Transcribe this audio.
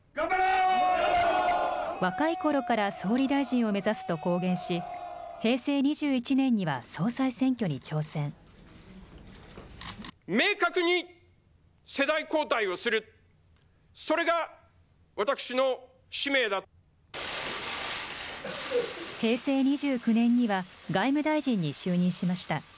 若いころから総理大臣を目指すと公言し、平成２１年には総裁明確に世代交代をする、それ平成２９年には外務大臣に就任しました。